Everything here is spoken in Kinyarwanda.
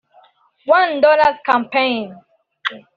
One Dollar Compaign